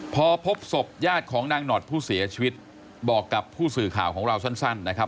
พอพบศพญาติของนางหนอดผู้เสียชีวิตบอกกับผู้สื่อข่าวของเราสั้นนะครับ